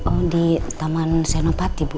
oh di taman senopati bu